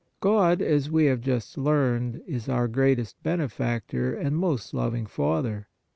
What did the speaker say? God, as we have just learned, is our greatest Benefactor and most loving Father.